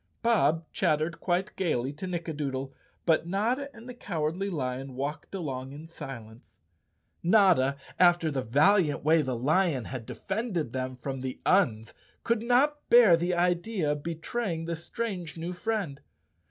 Bob chattered quite gaily to Nickadoodle, but Notta and the Cowardly Lion walked along in silence. Notta, after the valiant way the lion had defended them from the Uns, could not bear the idea of betraying this strange new friend.